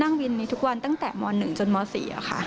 นั่งบินงี้ทุกวันตั้งแต่หมอนึงจนหมอสี่